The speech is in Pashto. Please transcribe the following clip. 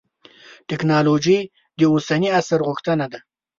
تکنالوجي د اوسني عصر غوښتنه ده.